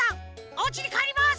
おうちにかえります！